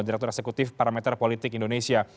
direktur eksekutif parameter politik indonesia